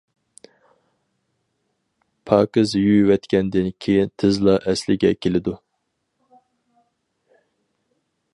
پاكىز يۇيۇۋەتكەندىن كېيىن تېزلا ئەسلىگە كېلىدۇ.